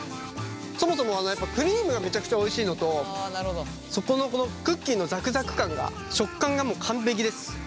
そもそもやっぱクリームがめちゃくちゃおいしいのと底のこのクッキーのザクザク感が食感がもう完璧です。